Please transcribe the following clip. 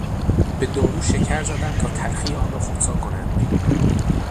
به دارو شکر زدند تا تلخی آن را خنثی کنند.